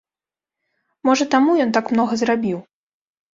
Можа таму ён так многа зрабіў.